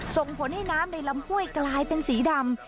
ส่งผลให้น้ำในลำห้วยกลายเป็นสีดำ